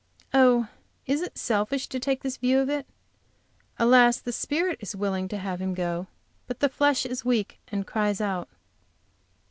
Oh, is it selfish to take this view of it? Alas, the spirit is willing to have him go, but the flesh is weak, and cries out.